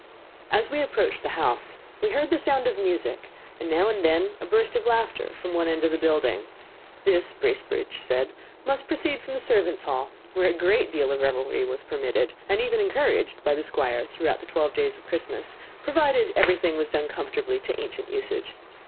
As we approached the house, we heard the sound of music, and now and then a burst of laughter from one end of the building. This, Bracebridge said, must proceed from the servants' hall, where a great deal of revelry was permitted, and even encouraged, by the Squire throughout the twelve days of Christmas, provided everything was done comformably to ancient usage.